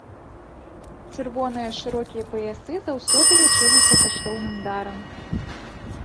Чырвоныя шырокія паясы заўсёды лічыліся каштоўным дарам.